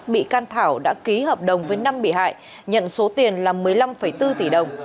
bị can thảo đã ký hợp đồng với năm bị hại nhận số tiền là một mươi năm bốn tỷ đồng